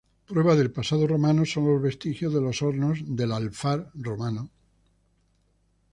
Prueba del pasado romano son los vestigios de los hornos del Alfar romano.